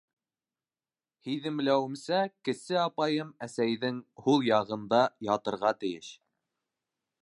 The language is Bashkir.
Һиҙемләүемсә, кесе апайым әсәйҙең һул яғында ятырға тейеш.